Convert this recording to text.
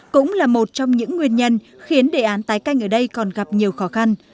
cũng là một trong những nguyên nhân khiến đề án tái canh ở đây còn gặp nhiều khó khăn